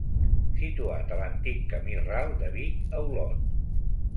Situat a l'antic camí ral de Vic a Olot.